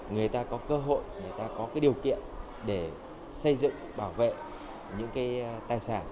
người ta có cơ hội người ta có điều kiện để xây dựng bảo vệ những cái tài sản